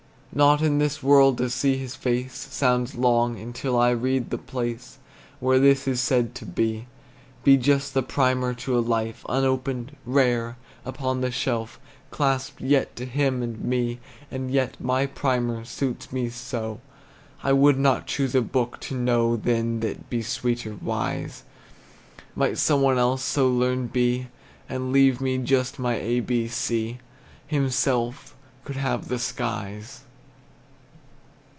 Not in this world to see his face Sounds long, until I read the place Where this is said to be But just the primer to a life Unopened, rare, upon the shelf, Clasped yet to him and me. And yet, my primer suits me so I would not choose a book to know Than that, be sweeter wise; Might some one else so learned be, And leave me just my A B C, Himself could have the skies.